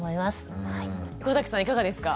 小さんいかがですか？